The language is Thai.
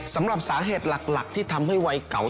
สำหรับสาเหตุหลักที่ทำให้วัยเก่า